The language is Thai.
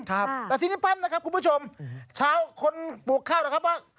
แต่ทีนี้พันธุ์นะครับคุณผู้ชมชาวคนปลูกข้าวนะครับว่า